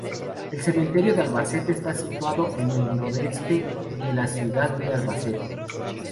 El Cementerio de Albacete está situado en el noreste de la ciudad de Albacete.